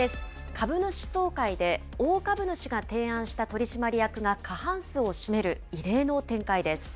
株主総会で、大株主が提案した取締役が過半数を占める、異例の展開です。